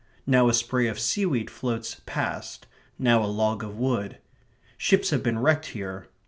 Now a spray of seaweed floats past now a log of wood. Ships have been wrecked here.